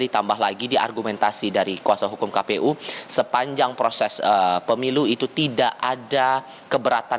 ditambah lagi di argumentasi dari kuasa hukum kpu sepanjang proses pemilu itu tidak ada keberatan